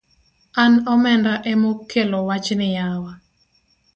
An omenda emokelo wachni yawa